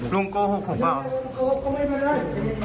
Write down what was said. ลุงโกหกผมเปล่า